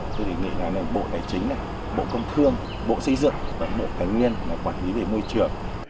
tôi nghĩ là bộ tài chính bộ công thương bộ xây dựng và bộ tài nguyên quản lý về môi trường